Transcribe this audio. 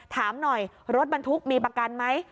ถามหน่อยรถบรรทุกมีประกันไหม